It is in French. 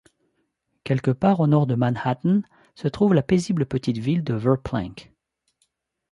Quelque part au nord de Manhattan se trouve la paisible petite ville de Verplanck.